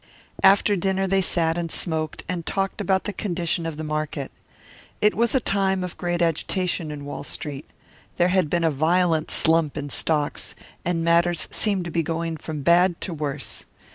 After dinner they sat and smoked, and talked about the condition of the market. It was a time of great agitation in Wall Street. There had been a violent slump in stocks, and matters seemed to be going from bad to worse.